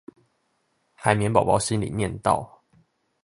海綿寶寶心裡念道